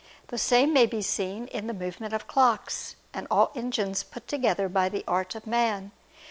The same may be seen in the movements of clocks and all engines put together by the art of man.